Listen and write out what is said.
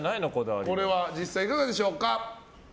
実際いかがでしょうか。